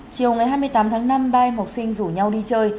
chiều ngày hai mươi tám tháng năm ba em học sinh rủ nhau đi chơi